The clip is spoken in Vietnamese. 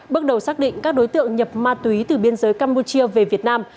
bước đầu xác định các đối tượng nhập ma túy từ biên giới campuchia về việt nam